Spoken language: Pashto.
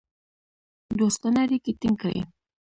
دوستانه اړیکې ټینګ کړې.